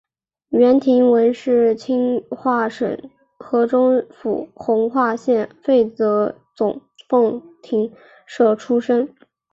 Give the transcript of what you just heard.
阮廷闻是清化省河中府弘化县沛泽总凤亭社出生。